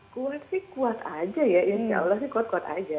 kuat sih kuat aja ya insya allah sih kuat kuat aja